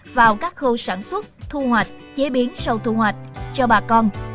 vào các khâu sản xuất thu hoạch chế biến sau thu hoạch cho bà con